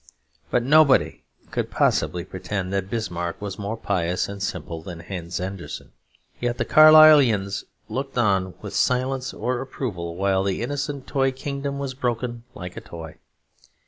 But nobody could possibly pretend that Bismarck was more pious and simple than Hans Andersen; yet the Carlyleans looked on with silence or approval while the innocent toy kingdom was broken like a toy.